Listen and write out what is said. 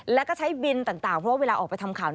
แล้วก็ใช้บินต่างเพราะว่าเวลาออกไปทำข่าว